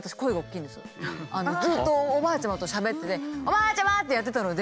ずっとおばあちゃまとしゃべってて「おばあちゃま！」ってやってたので。